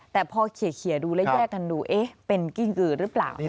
แต่พอเขียดดูแล้วย่ากันดูเอ๊ะเป็นกริ้งกรือหรือเปล่านะคะ